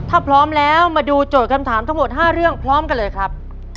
ถ้าพร้อมแล้วมาดูโจทย์คำถามทั้งหมด๕เรื่องพร้อมกันเลยครับ